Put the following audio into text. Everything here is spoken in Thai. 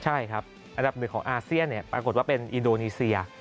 ใช่ครับอันดับหนึ่งของอาเซียนปรากฏว่าเป็นอินโดนีเซีย